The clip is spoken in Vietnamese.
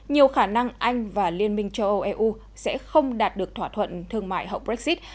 nhiều khả năng anh và liên minh châu âu eu sẽ không đạt được thỏa thuận thương mại hậu brexit